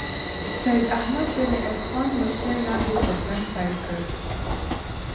سید احمد بن عرفان مشرۍ لاندې غورځنګ پيل کړ